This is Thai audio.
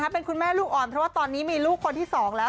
เป็นคุณแม่ลูกอ่อนเพราะว่าตอนนี้มีลูกคนที่๒แล้ว